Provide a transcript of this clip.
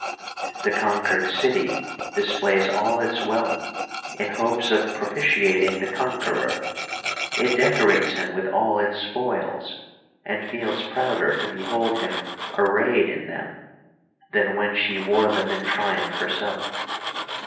The conquered city displays all its wealth in hopes of propitiating the conqueror. It decorates him with all its spoils, and feels prouder to behold him arrayed in them, than when she wore them in triumph herself.